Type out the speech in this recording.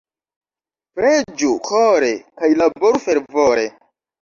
Preĝu kore kaj laboru fervore.